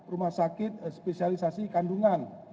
rumah sakit spesialisasi kandungan